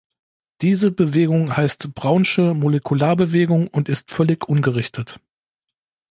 Diese Bewegung heißt brownsche Molekularbewegung und ist völlig ungerichtet.